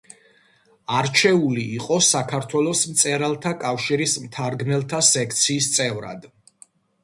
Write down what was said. არჩეული იყო საქართველოს მწერალთა კავშირის მთარგმნელთა სექციის წევრად.